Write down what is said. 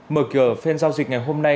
mở cửa phên giao dịch ngày hôm nay